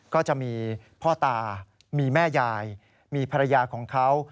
ก็จะมีพ่อตามีแม่ยายมีภรรยาของเขา